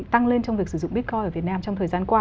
tăng lên trong việc sử dụng bitcoin ở việt nam trong thời gian qua